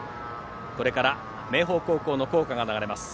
これから明豊高校の校歌が流れます。